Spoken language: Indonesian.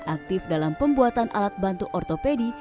aktif dalam pembuatan alat bantu ortopedi